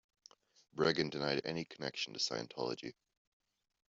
Breggin denied any connection to Scientology.